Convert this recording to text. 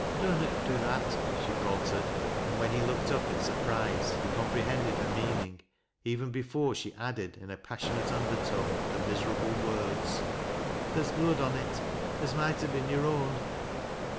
" Dunnot do that," she faltered, and when he looked up in surprise, he comprehended her meaning, even before she added, in a passionate undertone, the miserable words :" Ther's blood on it, as might ha' bin yore own."